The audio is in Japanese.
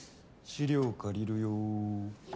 ・資料借りるよ。